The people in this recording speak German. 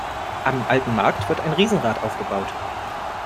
Am alten Markt wird ein Riesenrad aufgebaut.